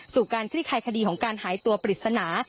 การคลี่คลายคดีของการหายตัวปริศนา